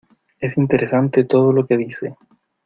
Es interesante todo lo que dice.